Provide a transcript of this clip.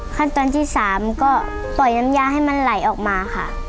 ขั้นตอนที่๓ก็ปล่อยน้ำยาให้มันไหลออกมาค่ะ